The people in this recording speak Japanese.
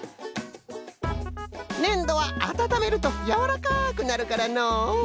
ねんどはあたためるとやわらかくなるからのう。